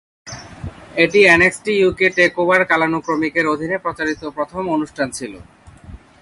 এটি NXT UK takeover কালানুক্রমিকের অধীনে প্রচারিত প্রথম অনুষ্ঠান ছিল।